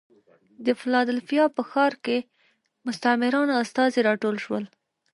د فلادلفیا په ښار کې مستعمراتو استازي راټول شول.